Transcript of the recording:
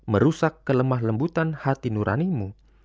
merusak kelemah lembutan hati nuranimu